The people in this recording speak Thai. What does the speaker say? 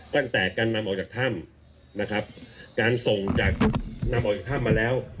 ตั้งแต่การนำออกจากถ้ำนะครับการส่งจากนำออกจากถ้ำมาแล้ว